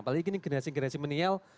apalagi ini generasi generasi milenial